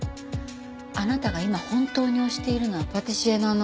あなたが今本当に推しているのはパティシエのあの。